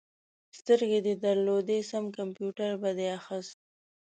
سترګې دې درلودې؛ سم کمپيوټر به دې اخيست.